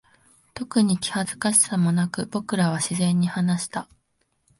特に気恥ずかしさもなく、僕らは自然に話した。